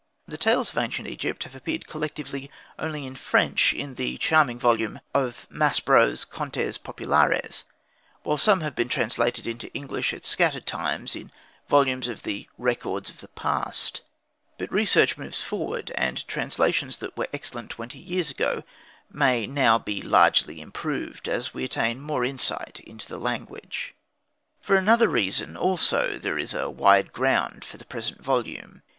The tales of ancient Egypt have appeared collectively only in French, in the charming volume of Maspero's "Contes Populaires"; while some have been translated into English at scattered times in volumes of the "Records of the Past." But research moves forward; and translations that were excellent twenty years ago may now be largely improved, as we attain more insight into the language. For another reason also there is a wide ground for the present volume.